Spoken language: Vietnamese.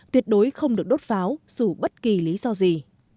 tuyệt đối không được đốt pháo dù bất kỳ lý do gì